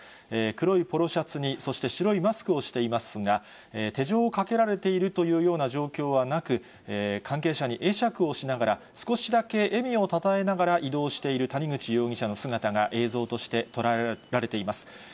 黒いポロシャツに、そして白いマスクをしていますが、手錠をかけられているというような状況はなく、関係者に会釈をしながら、少しだけ笑みをたたえながら移動している谷口容疑者の姿が映像として捉えられています。